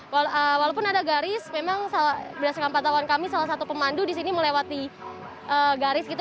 walaupun ada garis memang berdasarkan pantauan kami salah satu pemandu di sini melewati garis gitu